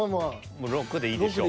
もう６でいいでしょう。